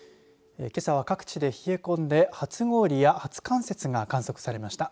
けさは、各地で冷え込んで初氷や初冠雪が観測されました。